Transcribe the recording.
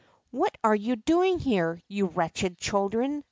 ^^What are you doing here, you wretched children?"